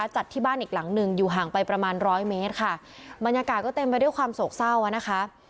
จัดที่บ้านอีกหลังหนึ่งอยู่ห่างไปประมาณร้อยเมตรค่ะบรรยากาศก็เต็มไปด้วยความโศกเศร้าอ่ะนะคะ